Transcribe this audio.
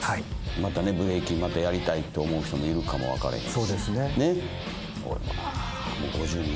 またブレイキンやりたいと思う人もいるかも分からへんし。